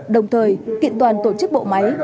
đồng thời kiện toàn tổ chức bộ máy